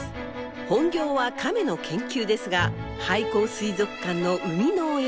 本業はカメの研究ですが廃校水族館の生みの親。